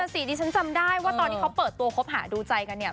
สิดิฉันจำได้ว่าตอนที่เขาเปิดตัวคบหาดูใจกันเนี่ย